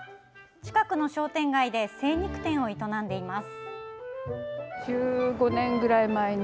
近くの商店街で精肉店を営んでいます。